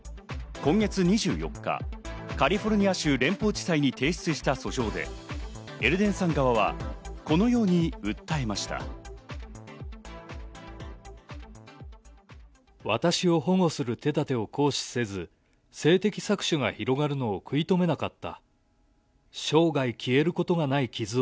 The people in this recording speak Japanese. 今月２４日、カリフォルニア州連邦地裁に提出した訴状でエルデンさん側はこのように訴えました。